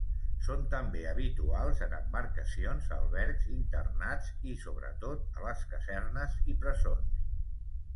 Són també habituals en embarcacions, albergs, internats i, sobretot, a les casernes i presons.